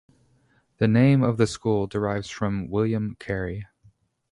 The name of the school derives from William Carey.